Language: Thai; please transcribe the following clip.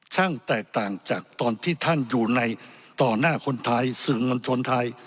แตกต่างจากตอนที่ท่านอยู่ในต่อหน้าคนไทยสื่อมวลชนไทย